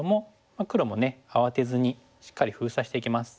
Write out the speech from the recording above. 黒もね慌てずにしっかり封鎖していきます。